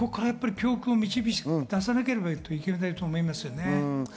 教訓を導き出さなければいけないと思います。